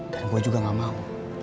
dan gue juga gak mau